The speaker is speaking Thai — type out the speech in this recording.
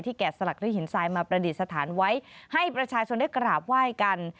แกะสลักด้วยหินทรายมาประดิษฐานไว้ให้ประชาชนได้กราบไหว้กัน